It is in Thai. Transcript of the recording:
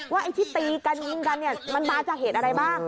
ว่าที่ตีกันมันมาจากเหตุอะไรบ้าง